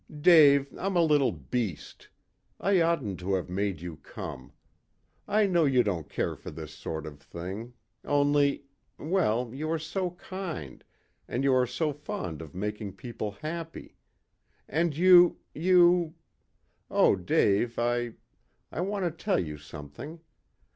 "Dave, I'm a little beast. I oughtn't to have made you come. I know you don't care for this sort of thing, only well, you are so kind, and you are so fond of making people happy. And you you Oh, Dave, I I want to tell you something.